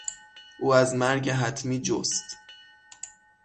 او از مرگ حتمی جست.